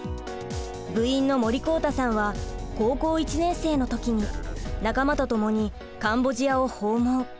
部員の森幸大さんは高校１年生の時に仲間と共にカンボジアを訪問。